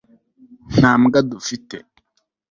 nta mbwa dufite